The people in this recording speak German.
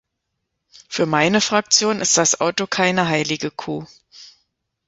Für meine Fraktion ist das Auto keine heilige Kuh.